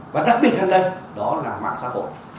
và đặc biệt hơn đây đó là mạng xã hội